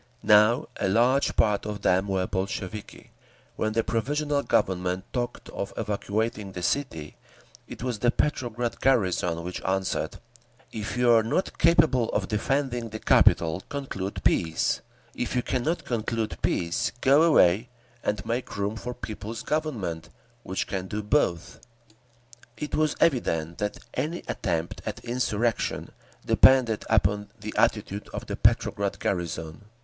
Now a large part of them were Bolsheviki. When the Provisional Government talked of evacuating the city, it was the Petrograd garrison which answered, "If you are not capable of defending the capital, conclude peace; if you cannot conclude peace, go away and make room for a People's Government which can do both…." It was evident that any attempt at insurrection depended upon the attitude of the Petrograd garrison.